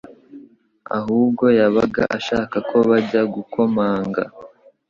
ahubwo yabaga ashaka ko bajya gukomanga